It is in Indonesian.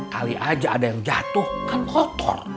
kali aja ada yang jatuh kan kotor